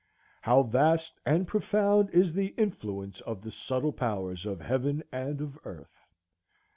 "How vast and profound is the influence of the subtile powers of Heaven and of Earth!"